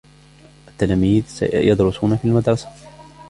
التلاميذ يدرسون في المدرسة.